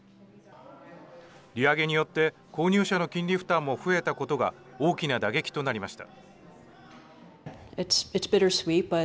利上げによって購入者の金利負担も増えたことが大きな打撃となりました。